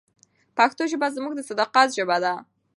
پښتو ژبه زموږ د صداقت ژبه ده.